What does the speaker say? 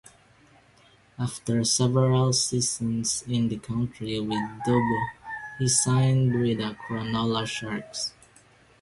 After several seasons in the country with Dubbo he signed with the Cronulla Sharks.